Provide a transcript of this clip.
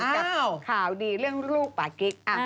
กับข่าวดีเรื่องลูกป่ากิ๊ก